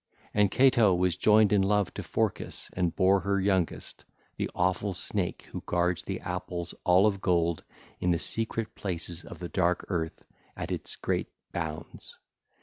(ll. 333 336) And Ceto was joined in love to Phorcys and bare her youngest, the awful snake who guards the apples all of gold in the secret places of the dark earth at its great bounds.